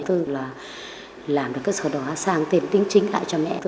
thứ là làm được cái sổ đồ sang tên đính chính lại cho mẹ